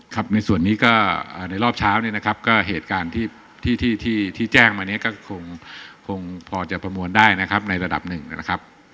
ครับในส่วนนี้ก็ในรอบเช้าเนี่ยนะครับก็เหตุการณ์ที่ที่แจ้งมาเนี่ยก็คงพอจะประมวลได้นะครับในระดับหนึ่งนะครับ